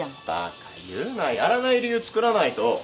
バカ言うな。やらない理由つくらないと。